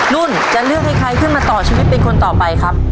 นุ่นจะเลือกให้ใครขึ้นมาต่อชีวิตเป็นคนต่อไปครับ